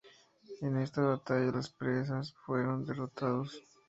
En esta batalla, los persas fueron derrotados.